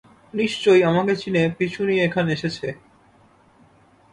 নিশ্চয়ই আমাকে চিনে পিছু নিয়ে এখানে এসেছে।